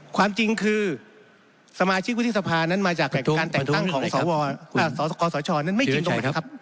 ความจริงคือสมาชิกวุฒิสภานั้นมาจากการแต่งตั้งของสคสชนั้นไม่จริงตรงไหนครับ